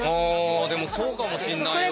あでもそうかもしんないよ。